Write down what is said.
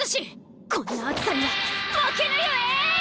こんな暑さには負けぬゆえ！